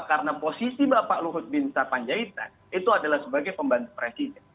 karena sisi bapak luhut bin sarpanjaitan itu adalah sebagai pembantu presiden